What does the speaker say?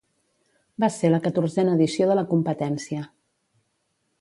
Va ser la catorzena edició de la competència.